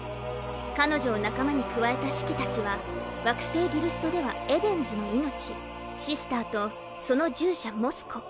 彼女を仲間に加えたシキたちは惑星ギルストではエデンズの命・シスターとその従者・モスコ。